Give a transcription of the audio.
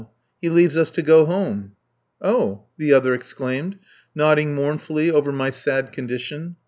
He leaves us to go home." "Oh!" the other exclaimed, nodding mournfully over my sad condition.